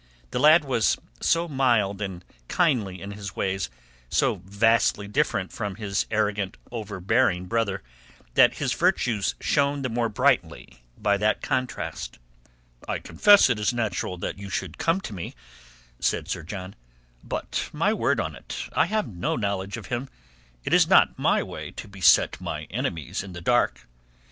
The lad was so mild and kindly in his ways, so vastly different from his arrogant overbearing brother, that his virtues shone the more brightly by that contrast. "I confess it is natural you should come to me," said Sir John. "But, my word on it, I have no knowledge of him. It is not my way to beset my enemies in the dark."